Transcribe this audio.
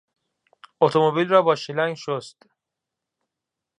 اتومبیل را با شیلنگ شست.